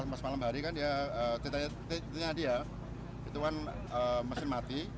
pas malam hari kan dia itu kan mesin mati